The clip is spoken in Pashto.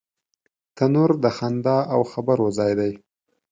تنور د خندا او خبرو ځای دی